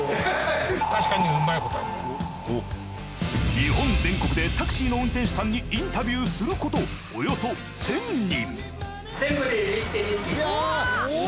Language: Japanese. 日本全国でタクシーの運転手さんにインタビューすることおよそ１，０００人。